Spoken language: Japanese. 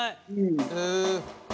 へえ。